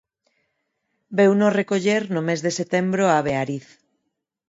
Veuno recoller no mes de setembro a Beariz.